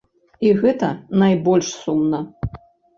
І гэта найбольш сумна.